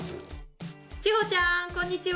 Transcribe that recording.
千穂ちゃんこんにちは。